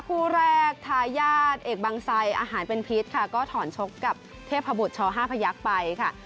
คู่แรกทายาทเอกบังไซอาหารเป็นพิษค่ะก็ถอนชกกับเทพบุตรช๕พยักษ์ไปค่ะ